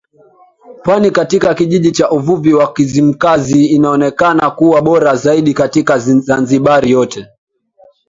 Pwani katika kijiji cha uvuvi wa Kizimkazi inaonekana kuwa bora zaidi katika Zanzibar yote